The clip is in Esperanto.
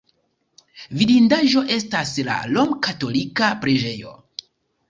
Vidindaĵo estas la romkatolika preĝejo.